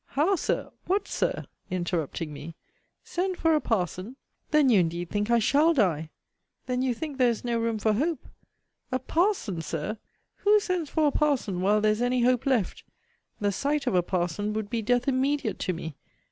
How, Sir! What, Sir! interrupting me: send for a parson! Then you indeed think I shall die! Then you think there is no room for hope! A parson, Sir! Who sends for a parson, while there is any hope left? The sight of a parson would be death immediate to me!